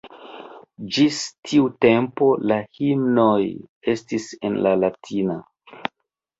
Ĝis tiu tempo la himnoj estis en la latina.